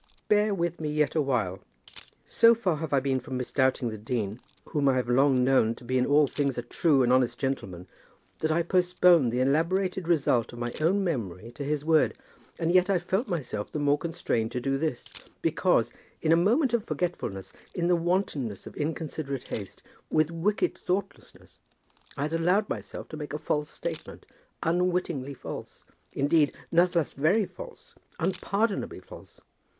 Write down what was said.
"Bear with me yet awhile. So far have I been from misdoubting the dean, whom I have long known to be in all things a true and honest gentleman, that I postponed the elaborated result of my own memory to his word. And I felt myself the more constrained to do this, because, in a moment of forgetfulness, in the wantonness of inconsiderate haste, with wicked thoughtlessness, I had allowed myself to make a false statement, unwittingly false, indeed, nathless very false, unpardonably false.